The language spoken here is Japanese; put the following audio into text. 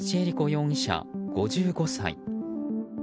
容疑者、５５歳。